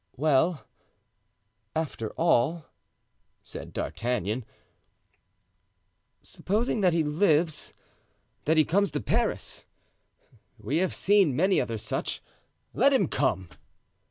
"Well, after all," said D'Artagnan, "supposing that he lives, that he comes to Paris; we have seen many other such. Let him come."